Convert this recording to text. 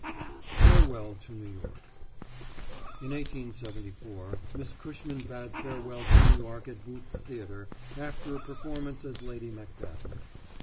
FAREWELL TO NEW YORK [In 1874 Miss Cushman bade farewell to New York at Booth's Theatre, after a performance as Lady Macbeth.